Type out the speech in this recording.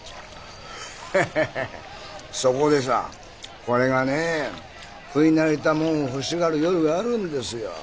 エヘヘそこでさこれがね食いなれたもんを欲しがる夜があるんですよ。